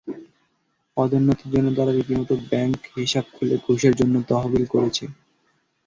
পদোন্নতির জন্য তারা রীতিমতো ব্যাংক হিসাব খুলে ঘুষের জন্য তহবিল করেছে।